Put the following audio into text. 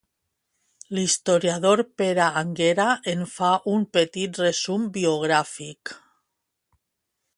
L'historiador Pere Anguera en fa un petit resum biogràfic.